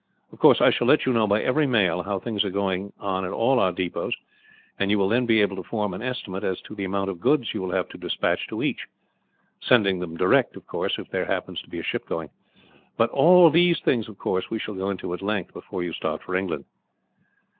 Of course, I shall let you know, by every mail, how things are going on at all our depots; and you will then be able to form an estimate as to the amount of goods you will have to despatch to each sending them direct, of course, if there happens to be a ship going. "But all these things, of course, we shall go into, at length, before you start for England."